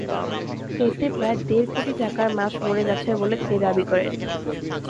এতে প্রায় দেড় কোটি টাকার মাছ মরে গেছে বলে তিনি দাবি করেন।